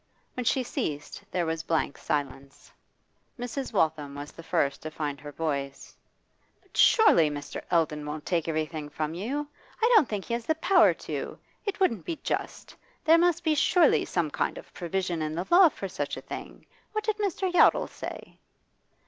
When she ceased there was blank silence. Mrs. Waltham was the first to find her voice. 'But surely Mr. Eldon won't take everything from you? I don't think he has the power to it wouldn't be just; there must be surely some kind of provision in the law for such a thing. What did Mr. Yottle say?